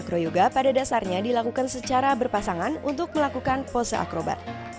kroyoga pada dasarnya dilakukan secara berpasangan untuk melakukan pose akrobat